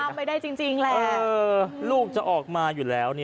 ไม่ได้จริงแหละลูกจะออกมาอยู่แล้ว